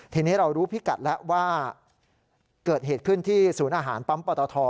ทีนี้เรารู้พิกัดแล้วว่าเกิดเหตุขึ้นที่ศูนย์อาหารปั๊มปตท